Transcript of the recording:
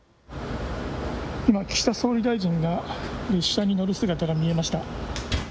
今、岸田総理大臣が列車に乗る姿が見えました。